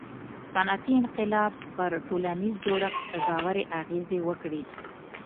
• صنعتي انقلاب پر ټولنیز جوړښت ژورې اغیزې وکړې.